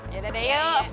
yaudah deh yuk